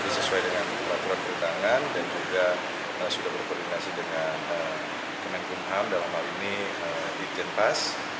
sesuai dengan peraturan perundangan dan juga sudah berkoordinasi dengan kemenkumham dalam hal ini di jenpas